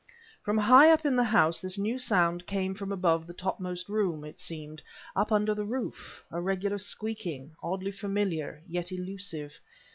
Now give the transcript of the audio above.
From high up in the house this new sound came from above the topmost room, it seemed, up under the roof; a regular squeaking, oddly familiar, yet elusive.